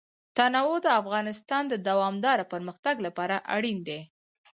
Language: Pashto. تنوع د افغانستان د دوامداره پرمختګ لپاره اړین دي.